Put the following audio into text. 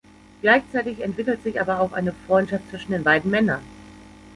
Gleichzeitig entwickelt sich aber auch eine Freundschaft zwischen den beiden Männern.